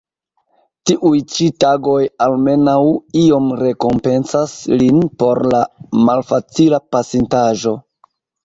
Tiuj ĉi tagoj almenaŭ iom rekompencas lin por la malfacila pasintaĵo.